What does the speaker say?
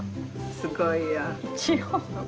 すごいや。